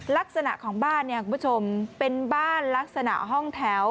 ลักษณะของบ้านเนี่ยคุณผู้ชมเป็นบ้านลักษณะห้องแถว